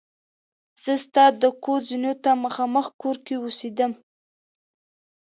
زه ستا د کور زینو ته مخامخ کور کې اوسېدم.